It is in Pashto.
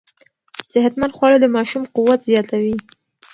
صحتمند خواړه د ماشوم قوت زیاتوي.